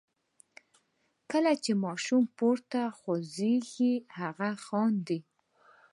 کله چې ماشوم پورته غورځوئ هغه خاندي.